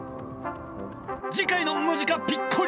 次回の「ムジカ・ピッコリーノ」は！